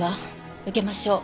受けましょう。